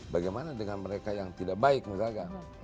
bagaimana dengan mereka yang tidak baik misalkan